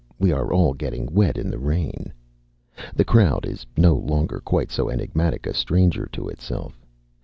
We are all getting wet in the rain." The crowd is no longer quite so enigmatic a stranger to itself.